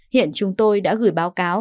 hiện chúng tôi đã gửi báo cáo